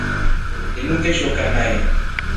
Linu ngeshoka nai.